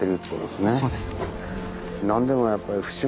そうです。